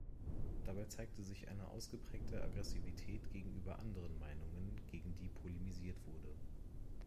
Dabei zeigte sich eine ausgeprägte Aggressivität gegenüber anderen Meinungen, gegen die polemisiert wurde.